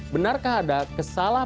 benarkah ada kesalahan